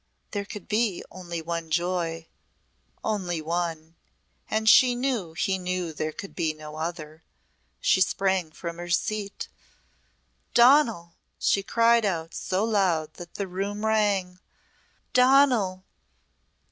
There could be only one joy only one! And she knew he knew there could be no other. She sprang from her seat. "Donal!" she cried out so loud that the room rang. "Donal!